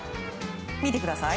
見てください！